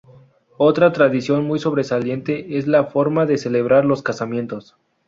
Otra tradición muy sobresaliente es la forma de celebrar los casamientos.